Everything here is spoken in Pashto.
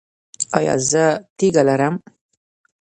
ایا زه تیږه لرم؟